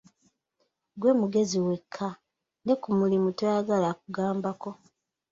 Ggwe mugezi wekka, ne ku mulimu toyagala akugambako.